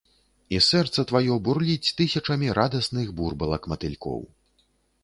І сэрца тваё бурліць тысячамі радасных бурбалак-матылькоў!